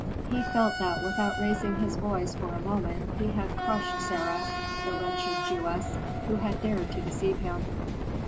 He felt that without raising his voice for a moment he had crushed Sarah, the wretched Jewess, who had dared to deceive him.